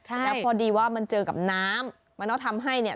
แล้วพอดีว่ามันเจอกับน้ำมันก็ทำให้เนี่ย